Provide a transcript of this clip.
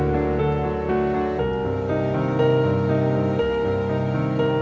terakhir komunikasi dengan papa